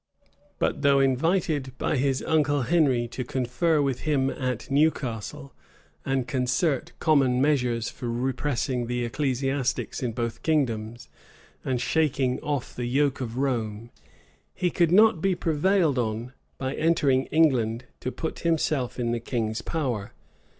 But though invited by his uncle Henry to confer with him at Newcastle, and concert common measures for repressing the ecclesiastics in both kingdoms, and shaking off the yoke of Rome, he could not be prevailed on, by entering England, to put himself in the king's power.